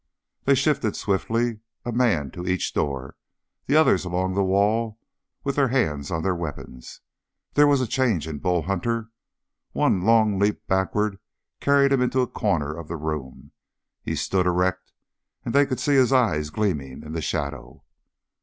They shifted swiftly, a man to each door, the others along the wall with their hands on their weapons. There was a change in Bull Hunter. One long leap backward carried him into a corner of the room. He stood erect, and they could see his eyes gleaming in the shadow.